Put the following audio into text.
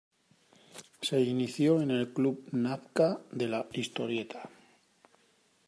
Se inició en el Club Nazca de la Historieta.